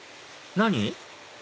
何？